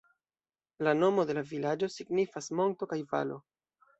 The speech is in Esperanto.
La nomo de la vilaĝo signifas "Monto kaj Valo".